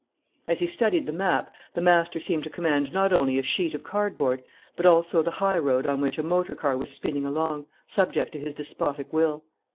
As he studied the map, the master seemed to command not only a sheet of cardboard, but also the highroad on which a motor car was spinning along, subject to his despotic will.